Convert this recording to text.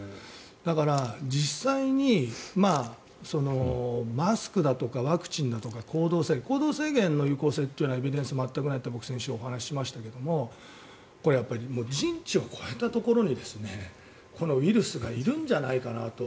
だから実際にマスクだとかワクチンだとか行動制限行動制限の有効性はエビデンス全くないと僕、先週お話ししましたけどこれやっぱり人知を超えたところにこのウイルスがいるんじゃないかなと。